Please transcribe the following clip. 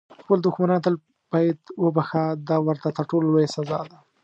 خپل دښمنان تل باید وبخښه، دا ورته تر ټولو لویه سزا ده.